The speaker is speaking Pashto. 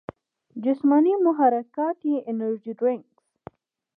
جسماني محرکات ئې انرجي ډرنکس ،